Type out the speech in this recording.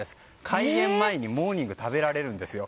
開園前にモーニングが食べられるんですよ。